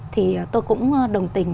thì tôi cũng đồng tình